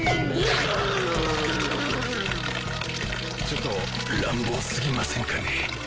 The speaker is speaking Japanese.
ちょっと乱暴すぎませんかね。